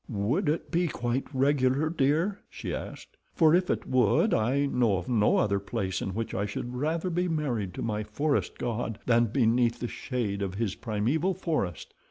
"Would it be quite regular, dear?" she asked. "For if it would I know of no other place in which I should rather be married to my forest god than beneath the shade of his primeval forest."